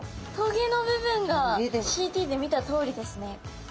棘の部分がＣＴで見たとおりですね。